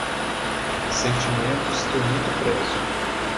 Sentimentos que eu muito prezo.